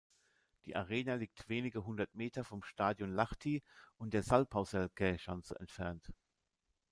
Die Arena liegt wenige hundert Meter vom Stadion Lahti und der Salpausselkä-Schanze entfernt.